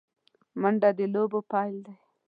منډه د لوبو پیل دی